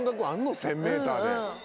１０００ｍで。